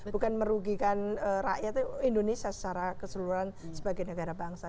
bukan merugikan rakyat indonesia secara keseluruhan sebagai negara bangsa